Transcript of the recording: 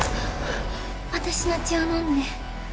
私の血を飲んで。